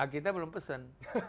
kita belum pesan